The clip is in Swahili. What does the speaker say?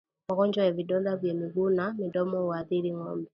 Magonjwa ya vidonda vya miguu na midomo huwaathiri ngombe